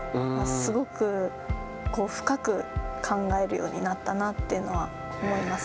すごく深く考えるようになったなというのは思います。